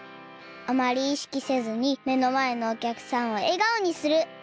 あまりいしきせずにめのまえのおきゃくさんをえがおにする！